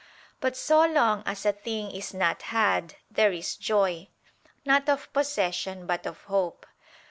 But so long as a thing is not had, there is joy, not of possession, but of hope.